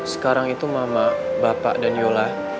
sekarang itu mama bapak dan yola